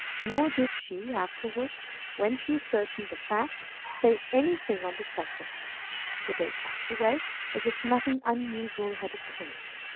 Nor did she afterwards, when she ascertained the facts, say any thing on the subject. The day passed away as if nothing unusual had occurred.